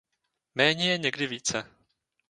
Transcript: Méně je někdy více.